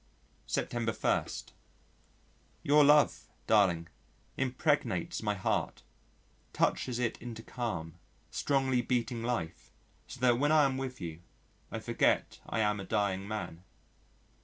September 1. Your love, darling, impregnates my heart, touches it into calm, strongly beating life so that when I am with you, I forget I am a dying man.